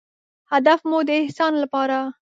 هدف مو د احسان لپاره